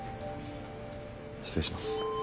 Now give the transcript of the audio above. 失礼します。